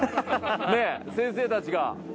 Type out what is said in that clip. ねえ先生たちが。